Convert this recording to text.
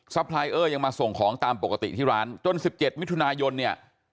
พลายเออร์ยังมาส่งของตามปกติที่ร้านจน๑๗มิถุนายนเนี่ย